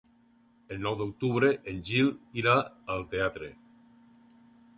El nou d'octubre en Gil irà al teatre.